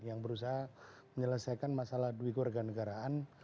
yang berusaha menyelesaikan masalah dui keluarga negaraan